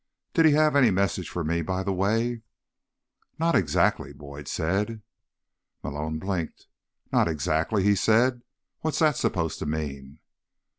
Did he have any message for me, by the way?" "Not exactly," Boyd said. Malone blinked. "Not exactly?" he said. "What's that supposed to mean?"